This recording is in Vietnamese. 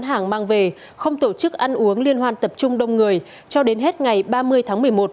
hàng mang về không tổ chức ăn uống liên hoan tập trung đông người cho đến hết ngày ba mươi tháng một mươi một